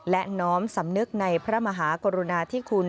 และน้อมสำนึกในพระมหากรุณาธิคุณ